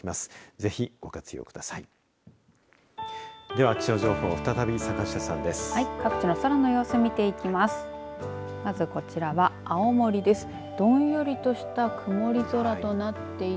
ぜひ、ご活用ください。